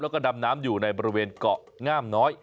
แล้วก็ดำน้ำอยู่ในบริเวณเกาะงามน้อย